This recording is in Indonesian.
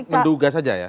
menduga saja ya